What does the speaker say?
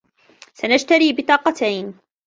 سنشتري بطاقتين.